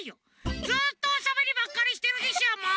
ずっとおしゃべりばっかりしてるでしょもう。